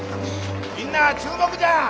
みんな注目じゃ！